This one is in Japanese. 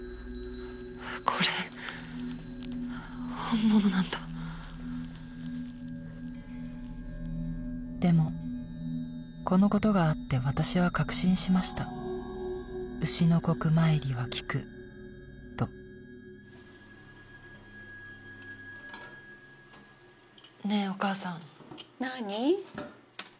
これ本物なんだでもこのことがあって私は確信しました丑の刻参りは効くとねえお母さん何？